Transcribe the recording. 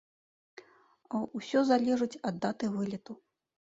Усё залежыць, ад даты вылету.